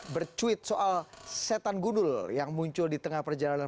bercuit soal setan gundul yang muncul di tengah perjalanan